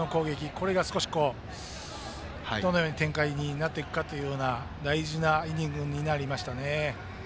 これが少しどのような展開になっていくか大事なイニングになりましたね。